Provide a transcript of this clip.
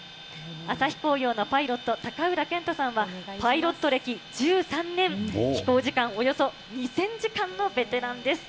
朝日航洋のパイロット、高浦健太さんはパイロット歴１３年、飛行時間およそ２０００時間のベテランです。